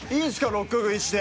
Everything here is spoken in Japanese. ロック食いして。